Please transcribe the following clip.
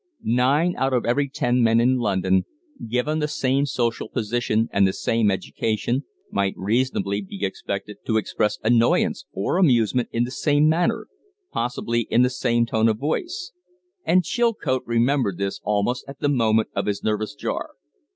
Nine out of every ten men in London, given the same social position and the same education, might reasonably be expected to express annoyance or amusement in the same manner, possibly in the same tone of voice; and Chilcote remembered this almost at the moment of his nervous jar.